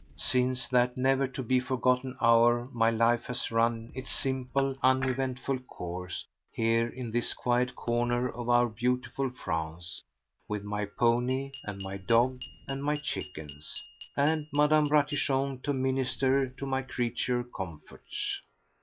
Since that never to be forgotten hour my life has run its simple, uneventful course here in this quiet corner of our beautiful France, with my pony and my dog and my chickens, and Mme. Ratichon to minister to my creature comforts.